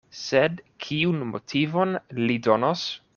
Sed kiun motivon li donos?